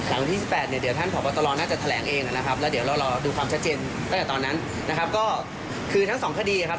แล้วเค้าได้ฝากทนายเป็นพิเศษในเรื่องไหนไหมครับ